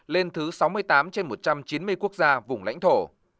lên thứ sáu mươi tám trên một trăm chín mươi quốc gia vùng lãnh thổ